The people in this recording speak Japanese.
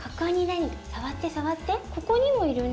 ここにもいるね。